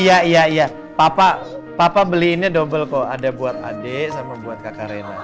iya iya iya papa beliinnya dobel kok ada buat adik sama buat kakak rena